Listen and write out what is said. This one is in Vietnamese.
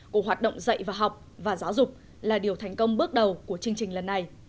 của hoạt động dạy và học và giáo dục là điều thành công bước đầu của chương trình lần này